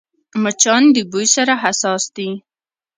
مچان د بوی سره حساس دي